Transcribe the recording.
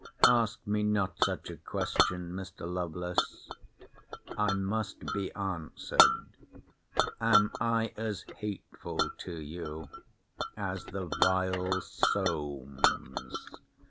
Ask me not such a question, Mr. Lovelace. I must be answered. Am I as hateful to you as the vile Solmes?